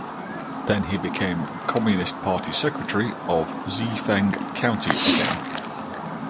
Then he became Communist Party Secretary of Xifeng County again.